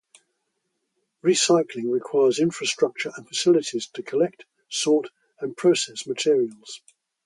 Recycling requires infrastructure and facilities to collect, sort, and process materials.